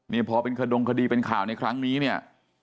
นี่พอเป็นขดงคดีเป็นข่าวในครั้งนี้เนี่ย